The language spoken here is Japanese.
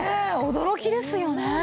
驚きですよね。